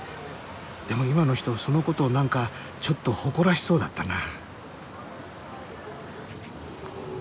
でも今の人その事を何かちょっと誇らしそうだったな。